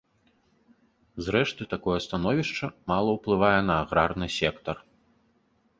Зрэшты, такое становішча мала ўплывае на аграрны сектар.